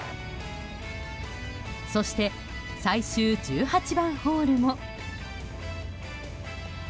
そして最終１８番ホールも。